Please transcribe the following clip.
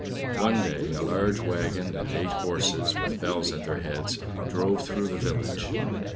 One day, a large wagon and eight horses, with bells at their heads, drove through the village.